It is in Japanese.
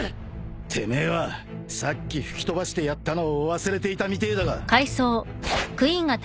てめえはさっき吹き飛ばしてやったのを忘れていたみてえだが。